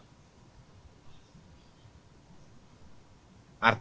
pembatasan kegiatan masyarakat